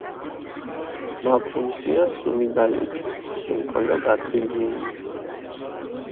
მა პუნსია სუმი დალეფი, სუმხოლო გათხილიენია.